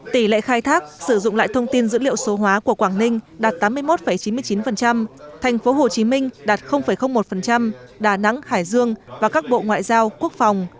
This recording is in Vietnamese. tỷ lệ khai thác sử dụng lại thông tin dữ liệu số hóa của quảng ninh đạt tám mươi một chín mươi chín thành phố hồ chí minh đạt một đà nẵng hải dương và các bộ ngoại giao quốc phòng